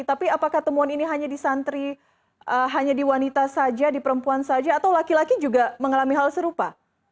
tapi apakah temuan ini hanya di santri hanya di wanita saja di perempuan saja atau laki laki juga mengalami hal serupa